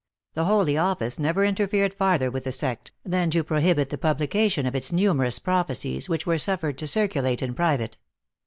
The holy office never interfered farther with the sect, than to prohibit the publication of its numerous prophecies, which were suffered to circulate in private.